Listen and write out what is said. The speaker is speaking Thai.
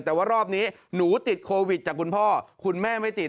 แต่ว่ารอบนี้หนูติดโควิดจากคุณพ่อคุณแม่ไม่ติด